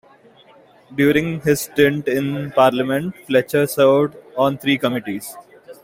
During his stint in Parliament, Fletcher served on three committees.